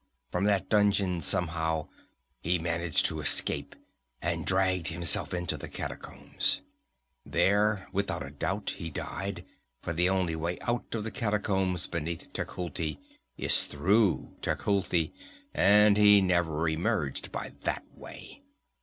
From that dungeon, somehow, he managed to escape, and dragged himself into the catacombs. There without doubt he died, for the only way out of the catacombs beneath Tecuhltli is through Tecuhltli, and he never emerged by that way.